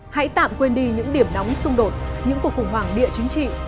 hãy tạm quên đi những điểm nóng xung đột những cuộc khủng hoảng địa chính trị